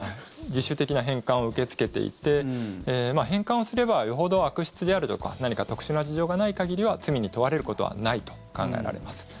自主的な返還を受け付けていて、返還をすればよほど悪質であるとか何か特殊な事情がない限りは罪に問われることはないと考えられます。